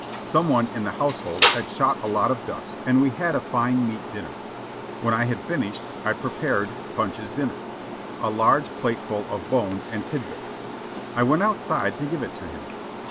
Some one in the household had shot a lot of ducks, and we had a fine meat dinner. When I had finished, I prepared Punch's dinner a large plateful of bones and tidbits. I went outside to give it to him.